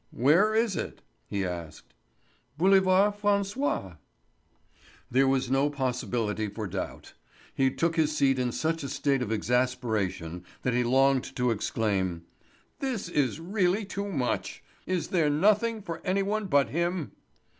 "Where is it?" he asked. "Boulevard François." There was no possibility for doubt. He took his seat in such a state of exasperation that he longed to exclaim: "This is really too much! Is there nothing for any one but him?"